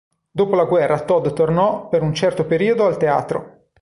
Dopo la guerra Todd tornò per un certo periodo al teatro.